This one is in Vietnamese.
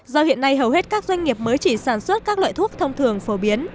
do hiện nay hầu hết các doanh nghiệp mới chỉ sản xuất các loại thuốc thông thường phổ biến